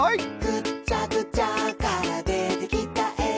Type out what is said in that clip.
「ぐっちゃぐちゃからでてきたえ」